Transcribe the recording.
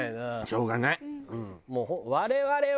しょうがない。